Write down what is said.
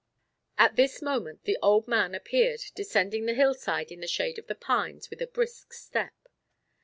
At this moment the old man appeared descending the hillside in the shade of the pines with a brisk step.